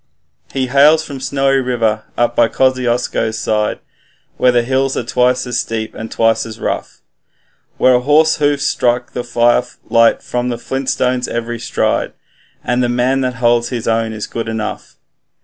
'He hails from Snowy River, up by Kosciusko's side, Where the hills are twice as steep and twice as rough, Where a horse's hoofs strike firelight from the flint stones every stride, The man that holds his own is good enough.